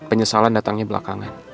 penyesalan datangnya belakangan